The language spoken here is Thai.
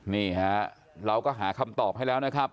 นี่ฮะเราก็หาคำตอบให้แล้วนะครับ